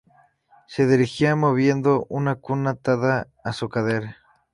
Se dirigía moviendo una cuna atada a su cadera.